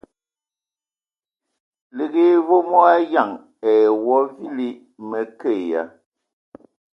Liigi hm e vom o ayǝan ai wa vili. Mǝ ke ya !